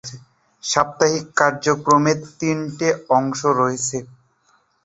সাপ্তাহিক কার্যক্রমের তিনটে অংশ রয়েছে।